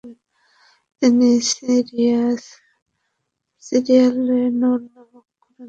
তিনি রিসালায়ে নূর নামক কুরআনের ব্যাখ্যা রচনা করেন।